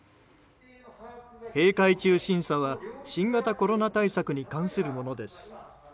閉会中審査は新型コロナ対策に関するものです。